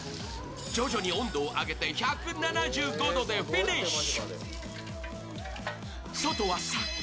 徐々に温度を上げて１７５度でフィニッシュ。